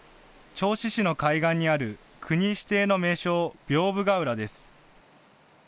銚子市の海岸にある国指定の名勝、屏風ケ浦です。